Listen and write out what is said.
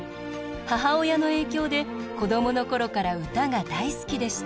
母親の影響で子供の頃から歌が大好きでした。